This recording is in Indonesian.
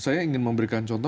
saya ingin memberikan contoh